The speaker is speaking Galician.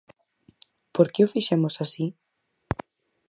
Por que o fixemos así?